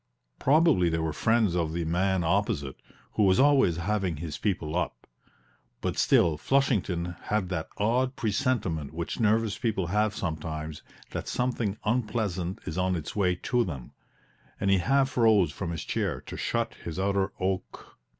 Probably they were friends of the man opposite, who was always having his people up; but still Flushington had that odd presentiment which nervous people have sometimes that something unpleasant is on its way to them, and he half rose from his chair to shut his outer oak.